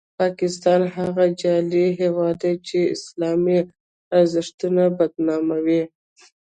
پاکستان هغه جعلي هیواد دی چې اسلامي ارزښتونه بدناموي.